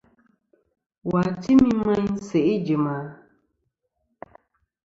Wà timi meyn sèʼ ijìm a?